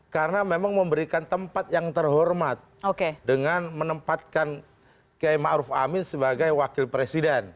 karena memang memberikan tempat yang terhormat dengan menempatkan km arif amin sebagai wakil presiden